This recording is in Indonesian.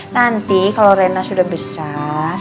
nanti kalau rena sudah besar